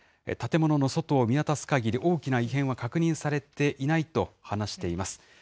建物の外を見渡すかぎり、大きな異変は確認されていないと話しています。